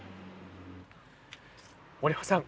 森山さん